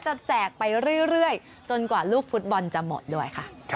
แจกไปเรื่อยจนกว่าลูกฟุตบอลจะหมดด้วยค่ะ